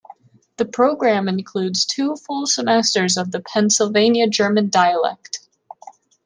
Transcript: The program includes two full semesters of the Pennsylvania German dialect.